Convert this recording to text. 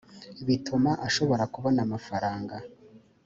bituma ashobora kubona amafaranga